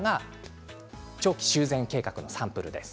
長期修繕計画のサンプルです。